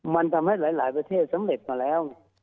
มันทำให้หลายประเทศสำเร็จมาแล้ว